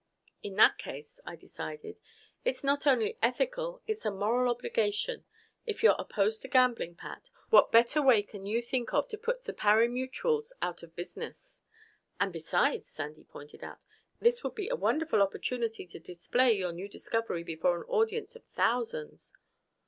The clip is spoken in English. "In that case," I decided, "it's not only ethical, it's a moral obligation. If you're opposed to gambling, Pat, what better way can you think of to put the parimutuels out of business?" "And besides," Sandy pointed out, "this would be a wonderful opportunity to display your new discovery before an audience of thousands.